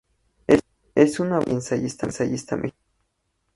Es una poeta y ensayista mexicana.